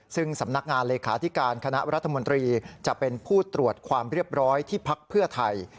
ซึ่งสำนักงานเลขาธิการคณะรัฐมนตรีจะเป็นผู้ตรวจความเรียบร้อยที่พักเพื่อไทย